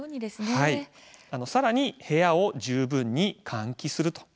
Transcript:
さらに、部屋を十分に換気する。